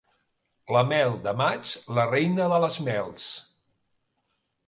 La mel de maig, la reina de les mels.